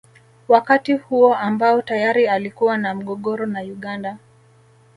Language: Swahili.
Wakati huo ambao tayari alikuwa na mgogoro na Uganda